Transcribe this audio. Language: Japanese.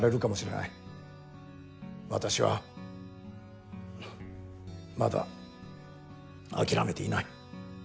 私はまだ諦めていない。